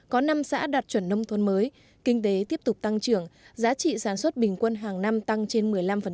có năm xã đạt chuẩn nông thôn mới kinh tế tiếp tục tăng trưởng giá trị sản xuất bình quân hàng năm tăng trên một mươi năm